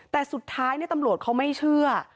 แต่สุดท้ายตำรวจเขาไม่เชื่อ